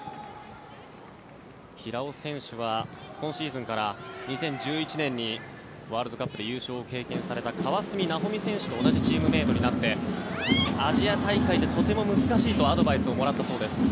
平尾選手は今シーズンから２０１１年にワールドカップで優勝を経験された川澄奈穂美選手と同じチームメートになってアジア大会はとても難しいとアドバイスをもらったそうです。